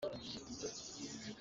Ruah nih kan mei a ciamh ter.